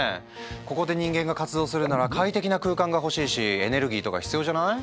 ここで人間が活動するなら快適な空間が欲しいしエネルギーとか必要じゃない？